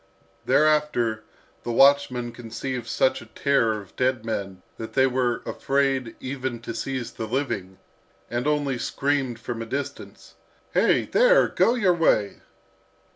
Thereafter the watchmen conceived such a terror of dead men that they were afraid even to seize the living, and only screamed from a distance. "Hey, there! go your way!"